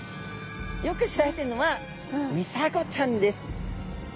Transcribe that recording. よく知られてるのはミサゴちゃんです。